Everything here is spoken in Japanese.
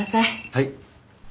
はい。